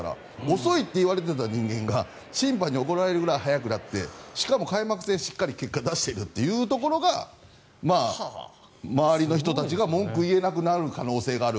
遅いって言われてた人間が審判に怒られるくらい早くなってしかも開幕戦しっかり結果を出しているというところが周りの人たちが文句を言えなくなる可能性がある。